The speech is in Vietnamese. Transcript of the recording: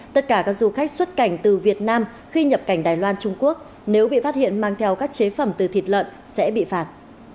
tất cả các du khách xuất cảnh từ việt nam khi nhập cảnh đài loan trung quốc nếu bị phát hiện mang theo các chế phẩm từ thịt lợn sẽ bị phạt